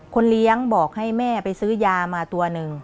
เลี้ยงบอกให้แม่ไปซื้อยามาตัวหนึ่ง